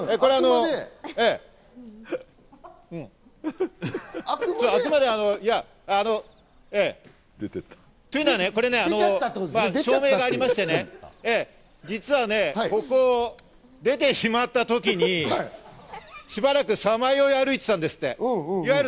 あくまでね、あくまでというのはね、照明がありましてね、実は出てしまった時に、しばらく、さまよい歩いてたんですって。